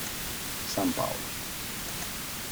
S. Paolo.